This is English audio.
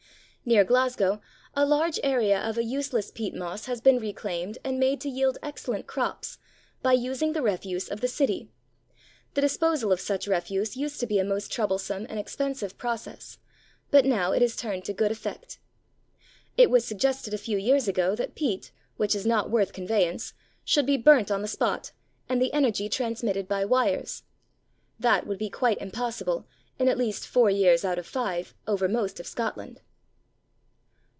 Near Glasgow a large area of a useless peat moss has been reclaimed and made to yield excellent crops, by using the refuse of the city. The disposal of such refuse used to be a most troublesome and expensive process, but now it is turned to good effect. It was suggested a few years ago that peat, which is not worth conveyance, should be burnt on the spot, and the energy transmitted by wires. That would be quite impossible, in at least four years out of five, over most of Scotland.